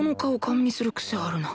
見する癖あるな